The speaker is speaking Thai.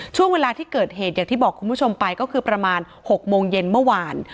ช่วงเวลาที่เกิดเหตุอย่างที่บอกคุณผู้ชมไปก็คือประมาณ๖โมงเย็นเมื่อวาน